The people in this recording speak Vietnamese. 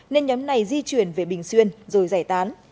nên nhóm này di chuyển về bình xuyên rồi giải tán